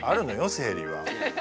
生理は。